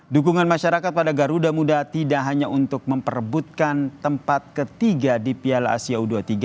dukungan masyarakat pada garuda muda tidak hanya untuk memperebutkan tempat ketiga di piala asia u dua puluh tiga